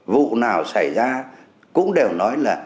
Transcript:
vụ nào xảy ra cũng đều nói là